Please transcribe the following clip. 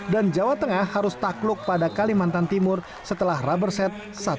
dan jawa tengah harus takluk pada kalimantan timur setelah raberset satu dua